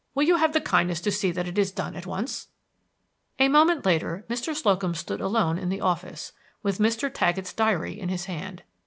Will you have the kindness to see that it is done at once?" A moment later Mr. Slocum stood alone in the office, with Mr. Taggett's diary in his hand.